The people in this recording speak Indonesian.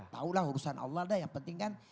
tahu lah urusan allah dah yang penting kan